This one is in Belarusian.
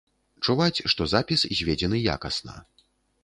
Чуваць, што запіс зведзены якасна.